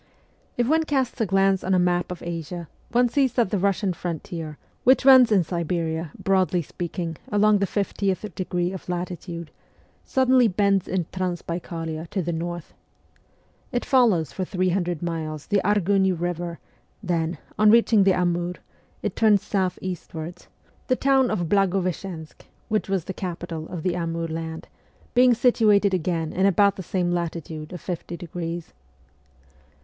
If one casts a glance on a map of Asia one sees that the Russian frontier, which runs in Siberia, broadly speaking, along the fiftieth degree of latitude, suddenly bends in Transbaikalia to the north. It follows for three hundred miles the Argun river ; then, on reaching the Amur, it turns south eastwards the town of 232 MEMOIRS OF A REVOLUTIONIST Blagoveschensk, which was the capital of the Amur land, being situated again in about the same latitude of fifty degrees.